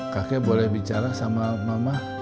kakek boleh bicara sama mama